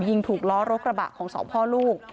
ยิงถูกล้อรถกระบะของสองพ่อลูก